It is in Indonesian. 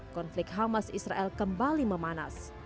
konflik hamas israel kembali memanas